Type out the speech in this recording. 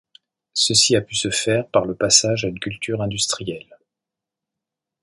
Ceci a pu se faire par le passage à une culture industrielle.